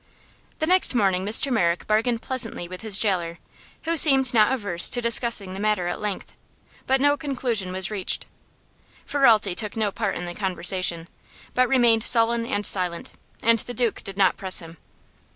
The next morning Mr. Merrick bargained pleasantly with his jailer, who seemed not averse to discussing the matter at length; but no conclusion was reached. Ferralti took no part in the conversation, but remained sullen and silent, and the Duke did not press him.